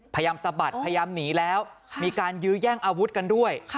สะบัดพยายามหนีแล้วมีการยื้อแย่งอาวุธกันด้วย